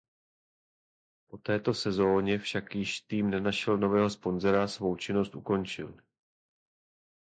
Po této sezóně však již tým nenašel nového sponzora svou činnost ukončil.